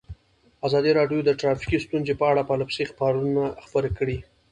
ازادي راډیو د ټرافیکي ستونزې په اړه پرله پسې خبرونه خپاره کړي.